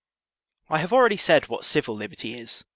I have already said what civil liberty is.